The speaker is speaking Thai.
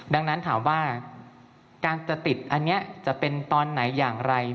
ดังนั้นถามว่าการจะติดอันนี้จะเป็นตอนไหนอย่างไร